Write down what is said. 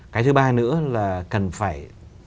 cái thứ ba nữa là cần phải